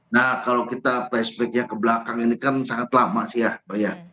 nah kalau kita flashbacknya ke belakang ini kan sangat lama sih ya mbak ya